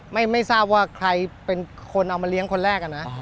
ไม่ทราบว่าใครเป็นคนเอามาเลี้ยงคนแรกอะนะ